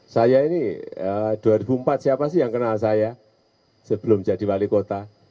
saya ini dua ribu empat siapa sih yang kenal saya sebelum jadi wali kota